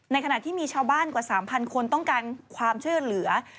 ขณะที่มีชาวบ้านกว่า๓๐๐คนต้องการความช่วยเหลือ